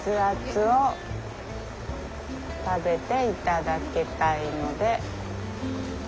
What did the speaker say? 熱々を食べていただきたいので。